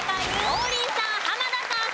王林さん濱田さん